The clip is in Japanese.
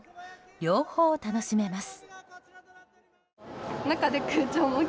両方を楽しめます。